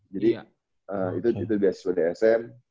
jadi itu dibayarin sama sm